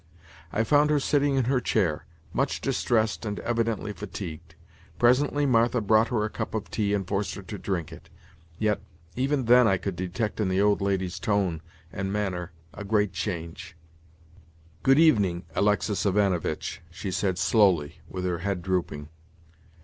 I found her sitting in her chair—much distressed and evidently fatigued. Presently Martha brought her up a cup of tea and forced her to drink it; yet, even then I could detect in the old lady's tone and manner a great change. "Good evening, Alexis Ivanovitch," she said slowly, with her head drooping.